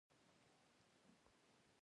سترګې په یوه ساعت کې شاوخوا شل زره ځلې پټېږي.